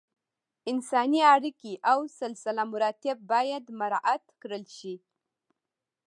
انساني اړیکې او سلسله مراتب باید مراعت کړل شي.